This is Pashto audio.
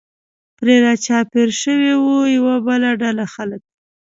پرې را چاپېر شوي و، یوه بله ډله خلک.